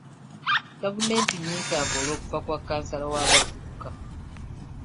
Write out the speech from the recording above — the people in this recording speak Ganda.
Gavumenti nnyiikaavu olw'okufa kwa kansala w'abavubuka.